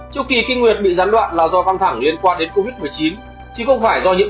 châu kỳ kinh nguyệt bị gián đoạn là do căng thẳng liên quan đến covid một mươi chín chứ không phải do những